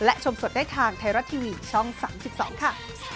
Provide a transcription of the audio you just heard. และชมสดได้ทางไทยรัฐทีวีช่อง๓๒ค่ะ